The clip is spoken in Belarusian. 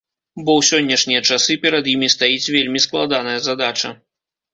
Бо ў сённяшнія часы перад імі стаіць вельмі складаная задача.